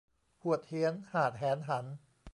หวดเหียนหาดแหนหัน